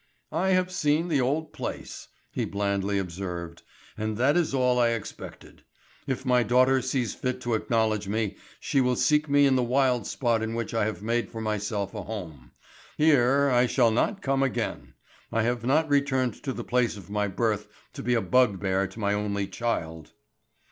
"I have seen the old place!" he blandly observed, "and that is all I expected. If my daughter sees fit to acknowledge me, she will seek me in the wild spot in which I have made for myself a home. Here I shall not come again. I have not returned to the place of my birth to be a bugbear to my only child."